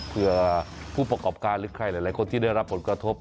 เพื่อผู้ประกอบการหรือใครหลายคนที่ได้รับผลกระทบ